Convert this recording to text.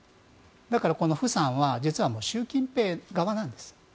だからこのフさんは習近平側なんです。